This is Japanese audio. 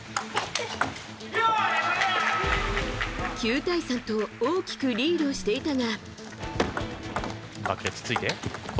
９対３と大きくリードしていたが。